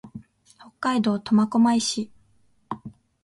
北海道苫小牧市